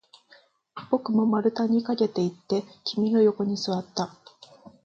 僕も丸太に駆けていって、君の横に座った